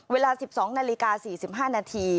เวลา๑๒นาฬิกา๔๕นาที